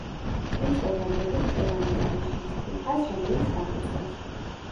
ვიწრო გაგებით სიტყვა კერამიკა ნიშნავს თიხას, რომელიც გამოწვეს.